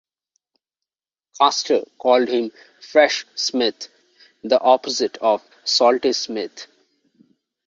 Custer called him "Fresh" Smith, the opposite of "Salty" Smith.